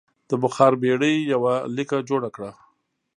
د بخار بېړۍ یوه لیکه جوړه کړه.